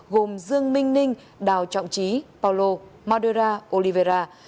gồm dương minh ninh đào trọng trí paulo madera oliveira